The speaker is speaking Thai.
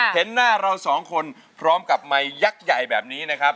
เห็นหน้าเราสองคนพร้อมกับไมค์ยักษ์ใหญ่แบบนี้นะครับ